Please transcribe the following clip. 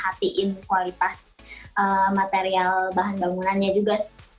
jadi aku bisa menghatiin kualitas material bahan bangunannya juga